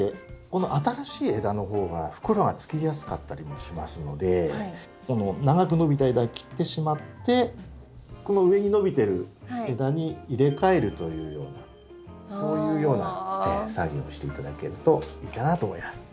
この新しい枝の方が袋がつきやすかったりもしますのでこの長く伸びた枝切ってしまってこの上に伸びてる枝に入れ替えるというようなそういうような作業をして頂けるといいかなと思います。